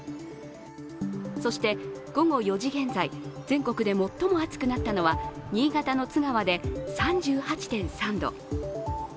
そして午後４時現在、全国で最も暑くなったのは新潟の津川で３８．３度。